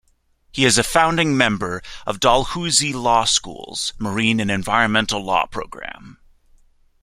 He is a founding member of Dalhousie Law School's Marine and Environmental Law Programme.